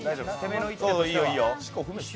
いいよ、いいよ。